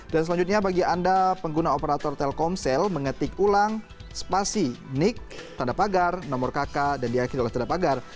dan selanjutnya bagi anda pengguna operator telkomsel mengetik ulang spasi nic tanda pagar nomor kk dan diikuti oleh tanda pagar